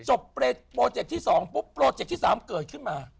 โปรเจคที่๒ปุ๊บโปรเจกต์ที่๓เกิดขึ้นมา